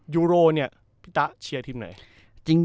ยูโรพี่ตาเชียร์ทีมไหน